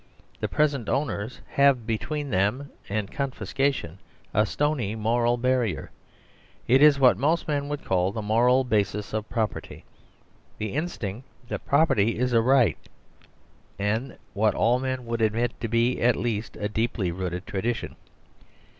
The present owners have between them and confiscation a stony moral barrier. It is what most men would call the moral basis of property (the instinct that property is 122 MAKING FOR SERVILE STATE a right), and what all men would admit to be at least a deeply rooted tradition.